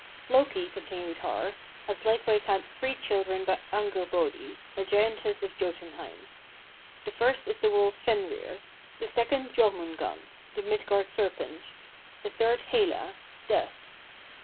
35. "Loki," continued Har, "has likewise had three children by Angurbodi, a giantess of Jotunheim. The first is the wolf Fenrir; the second Jormungand, the Midgard serpent; the third Hela (Death).